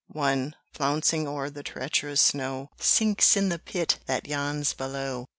One, flouncing o'er the treacherous snow, Sinks in the pit that yawns below!